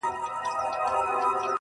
پر خپلو پښو د خپل قاتل غیږي ته نه ورځمه٫